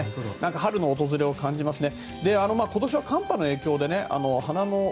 春の訪れを感じますね。